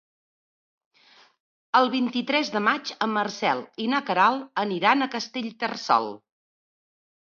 El vint-i-tres de maig en Marcel i na Queralt aniran a Castellterçol.